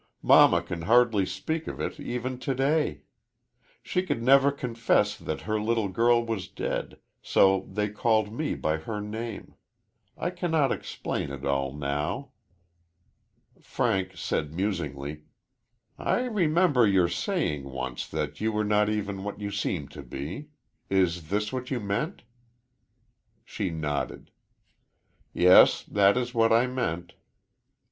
Mamma can hardly speak of it even to day. She could never confess that her little girl was dead, so they called me by her name. I cannot explain it all now." Frank said musingly: "I remember your saying once that you were not even what you seemed to be. Is this what you meant?" She nodded. "Yes; that is what I meant."